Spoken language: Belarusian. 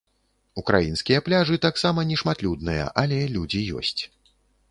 Украінскія пляжы таксама не шматлюдныя але людзі ёсць.